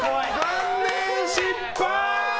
残念、失敗！